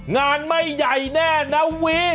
งานไหมใหญ่แน่นะวึย